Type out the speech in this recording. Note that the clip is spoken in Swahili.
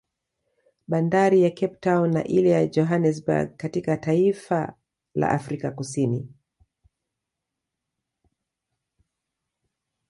Bandari ya Cape town na ile ya Johanesberg katika taifa ka Afrika Kusini